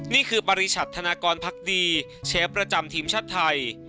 นี่คือปริชัดธนากรพักดีเชฟประจำทีมชาติไทย